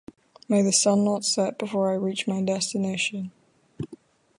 May the sun not set before I reach my destination.